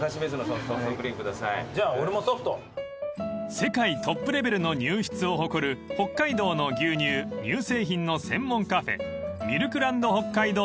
［世界トップレベルの乳質を誇る北海道の牛乳乳製品の専門カフェ］